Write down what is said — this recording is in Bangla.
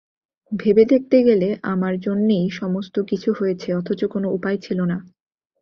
ভেবে দেখতে গেলে আমার জন্যেই সমস্ত কিছু হয়েছে, অথচ কোনো উপায় ছিল না।